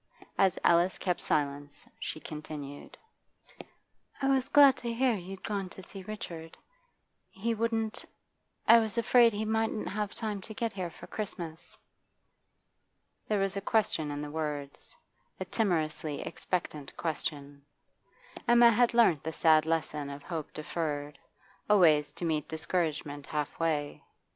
As Alice kept silence, she continued: 'I was glad to hear you'd gone to see Richard. He wouldn't I was afraid he mightn't have time to get here for Christmas.' There was a question in the words, a timorously expectant question. Emma had learnt the sad lesson of hope deferred, always to meet discouragement halfway.